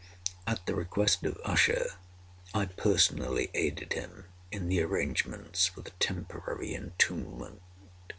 At the request of Usher, I personally aided him in the arrangements for the temporary entombment.